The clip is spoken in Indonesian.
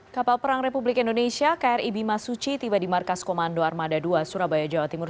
kapal perang republik indonesia kri bimasuci tiba di markas komando armada dua surabaya jawa timur